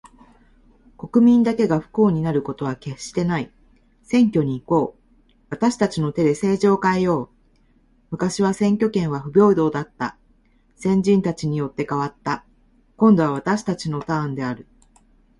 国民だけが不幸になることは決してない。選挙に行こう。私達の手で政治を変えよう。昔は選挙権は不平等だった。先人たちによって、変わった。今度は私達のターンである。